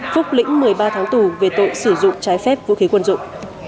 phúc lĩnh một mươi ba tháng tù về tội sử dụng trái phép vũ khí quân dụng